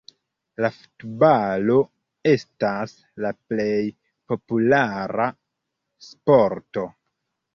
La futbalo estas la plej populara sporto.